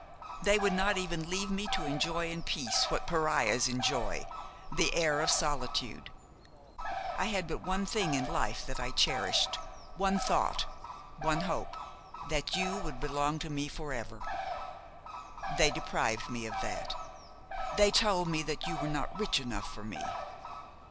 They would not even leave me to enjoy in peace what pariahs enjoy, the air of solitude! I had but one thing in life that I cherished, one thought, one hope–that you would belong to me forever; they deprived me of that, they told me that you were not rich enough for me.